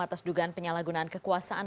atas dugaan penyalahgunaan kekuasaan